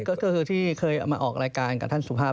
ก็คือที่เคยเอามาออกรายการกับท่านสุภาพ